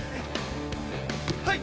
はい！